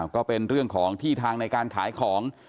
ก็เป็นเรื่องของที่ทางในการขายของ